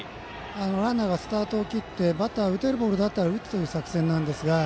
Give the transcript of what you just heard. ランナーがスタートを切ってバッターは打てるボールなら打つ作戦なんですが。